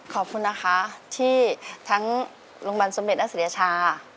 ขอบคุณนะคะที่ทั้งโรงบัติแสมตนาศิลประหะชา